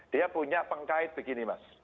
dia punya pengkait begini mas